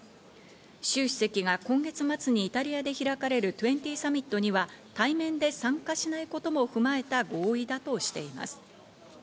シュウ主席が今月末にイタリアで開かれるＧ２０サミットには対面で参加しないことも踏まえた合意